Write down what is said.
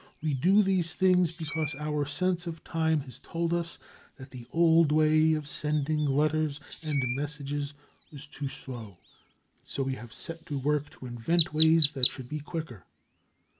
We do these things because our sense of time has told us that the old way of sending letters and messages was too slow. And so we have set to work to invent ways that should be quicker.